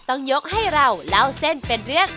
ต้องยกให้เราเล่าเส้นเป็นเรื่อง